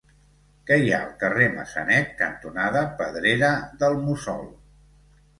Què hi ha al carrer Massanet cantonada Pedrera del Mussol?